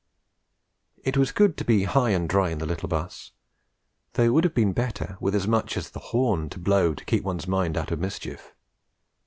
It was good to be high and dry in the little 'bus, though it would have been better with as much as the horn to blow to keep one's mind out of mischief.